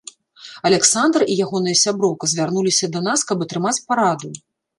Аляксандр і ягоная сяброўка звярнуліся да нас, каб атрымаць параду.